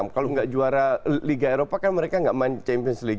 kalau tidak juara liga eropa kan mereka tidak main champions league